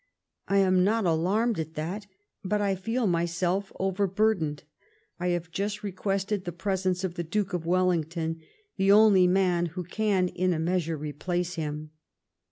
I am not alarmed at that ; but I feel myself overburdened. I have just requested the presence of the Duke of Wellington, the only man who can in a measure replace him."